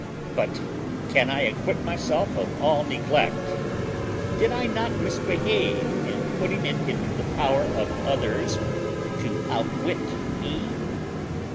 But can I acquit myself of all neglect? Did I not misbehave in putting it into the power of others to outwit me?